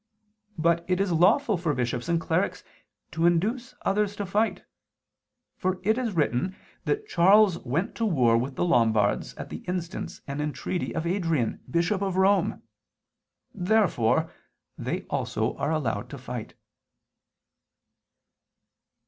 But it is lawful for bishops and clerics to induce others to fight: for it is written (xxiii, qu. 8, can. Hortatu) that Charles went to war with the Lombards at the instance and entreaty of Adrian, bishop of Rome. Therefore they also are allowed to fight.